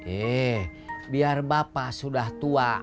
eh biar bapak sudah tua